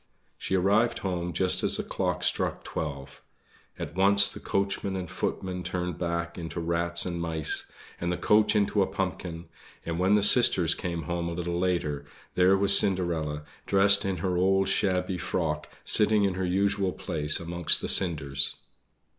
She arrived home just as the clock struck twelve. At once the coachman and footmen turned back into rats and mice, and the coach into a pumpkin; and when the sisters came home a little later, there was Cinderella, dressed in her old shabby frock, sitting in her usual place amongst the cinders.